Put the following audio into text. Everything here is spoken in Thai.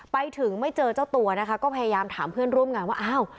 ไปถึงไม่เจอเจ้าตัวนะคะก็พยายามถามเพื่อนร่วมงานว่าอ้าว